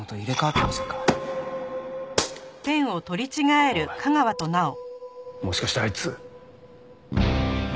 おいもしかしてあいつ。